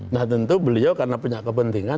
nah tentu beliau karena punya kepentingan